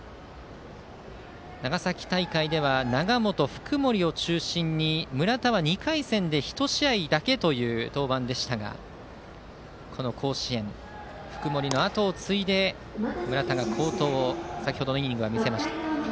長崎大会では永本、福盛を中心に村田は２回戦で１試合だけという登板でしたがこの甲子園では福盛のあとを継いで村田が好投を先程のイニングは見せました。